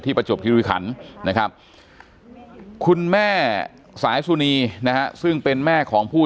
ที่ประจบทฤษฐรณนะครับคุณแม่สายสุนีซึ่งเป็นแม่ของผู้